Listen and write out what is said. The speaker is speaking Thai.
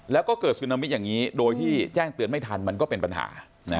แล้วก็เกิดซึนามิอย่างนี้โดยที่แจ้งเตือนไม่ทันมันก็เป็นปัญหา